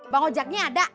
bang ojaknya ada